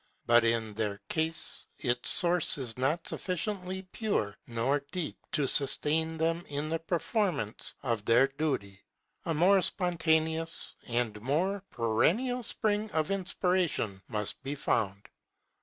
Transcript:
But in their case its source is not sufficiently pure nor deep to sustain them in the performance of their duty. A more spontaneous and more perennial spring of inspiration must be found.